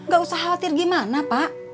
gak usah khawatir gimana pak